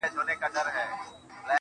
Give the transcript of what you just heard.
اوس هره شپه سپينه سپوږمۍ.